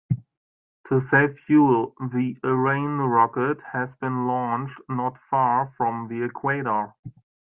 To save fuel, the Ariane rocket has been launched not far from the equator.